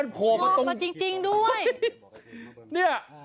งอกมาจริงด้วย